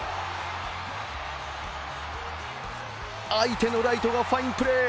相手のライトがファインプレー。